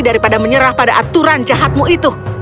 daripada menyerah pada aturan jahatmu itu